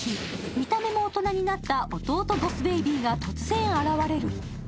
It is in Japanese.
見た目も大人になった弟、ボス・ベイビーが突然現れる。